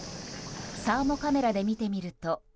サーモカメラで見てみると。